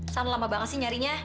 salah lo lama banget sih nyarinya